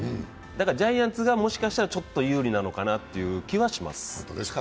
だからジャイアンツがもしかしたらちょっと有利かなという気がします。